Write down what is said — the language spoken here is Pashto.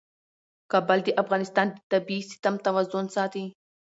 کابل د افغانستان د طبعي سیسټم توازن ساتي.